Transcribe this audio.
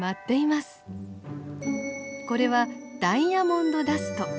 これはダイヤモンドダスト。